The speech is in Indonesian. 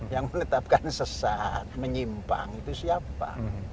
yang menetapkan sesat menyimpang itu siapa